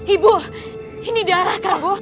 ibu ini darah prabu